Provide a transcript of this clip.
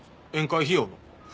宴会費用の。